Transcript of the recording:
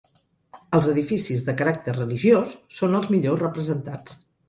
Els edificis de caràcter religiós són els millor representats.